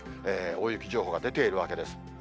大雪情報が出ているわけです。